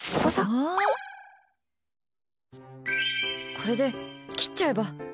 これで切っちゃえば。